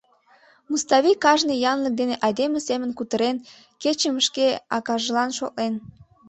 Муставий кажне янлык дене айдеме семын кутырен, кечым шке акажлан шотлен.